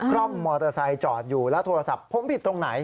ร่อมมอเตอร์ไซค์จอดอยู่แล้วโทรศัพท์ผมผิดตรงไหน